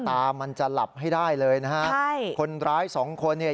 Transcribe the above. ตามันจะหลับให้ได้เลยนะฮะใช่คนร้ายสองคนเนี่ย